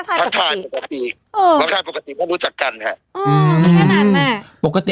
ทายพระปีพระทายปกติไม่รู้จักกันค่ะอืมแค่นั้นแหละปกติ